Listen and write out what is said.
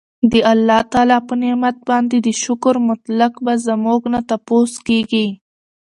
د الله په نعمت باندي د شکر متعلق به زمونږ نه تپوس کيږي